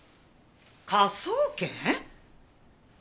科捜研！？